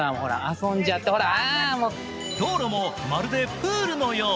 道路もまるでプールのよう。